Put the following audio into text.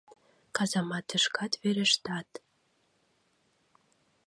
Казаматышкат верештат...